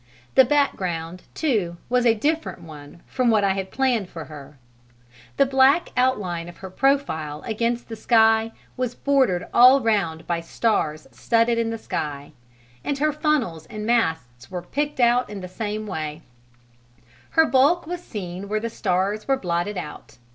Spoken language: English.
The background, too, was a different one from what I had planned for her: the black outline of her profile against the sky was bordered all round by stars studded in the sky, and all her funnels and masts were picked out in the same way: her bulk was seen where the stars were blotted out.